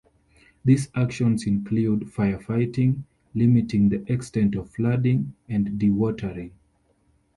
These actions include firefighting, limiting the extent of flooding, and dewatering.